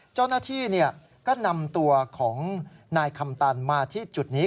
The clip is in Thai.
เจ้าหน้าที่ก็นำตัวของนายคำตันมาที่จุดนี้